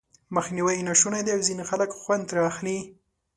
مخنيوی یې ناشونی دی او ځينې خلک خوند ترې اخلي.